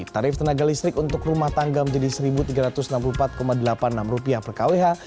tarif tenaga listrik untuk rumah tangga menjadi rp satu tiga ratus enam puluh empat delapan puluh enam per kwh